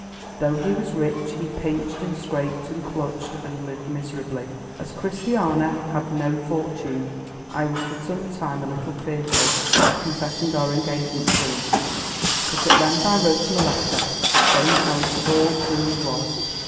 Though he was rich, he pinched, and scraped, and clutched, and lived miserably. As Christiana had no fortune, I was for some time a little fearful of confessing our engagement to him; but, at length I wrote him a letter, saying how it all truly was.